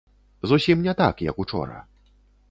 Зусім не так, як учора.